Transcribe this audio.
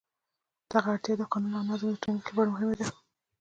دغه اړتیا د قانون او نظم د ټینګښت لپاره مهمه ده.